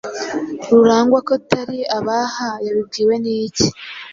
Rurangwa ko atari aba aha yabibwiwe niki?.